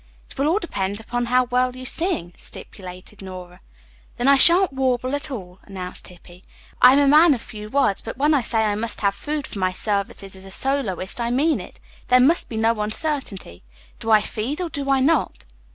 "It will all depend upon how well you sing," stipulated Nora. "Then I shan't warble at all," announced Hippy. "I am a man of few words, but when I say I must have food for my services as a soloist, I mean it. There must be no uncertainty. Do I feed or do I not?"